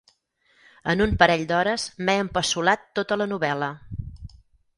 En un parell d'hores m'he empassolat tota la novel·la.